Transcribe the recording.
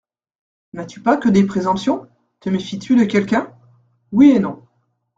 N'as-tu pas que des présomptions ? Te méfies-tu de quelqu'un ?, Oui et non.